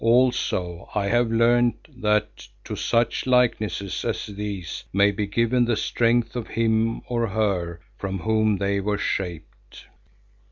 Also I have learned that to such likenesses as these may be given the strength of him or her from whom they were shaped."